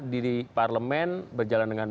diri parlemen berjalan dengan